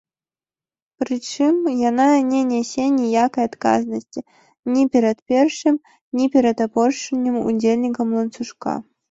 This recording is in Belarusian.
Прычым яна не нясе ніякай адказнасці ні перад першым, ні перад апошнім удзельнікам ланцужка.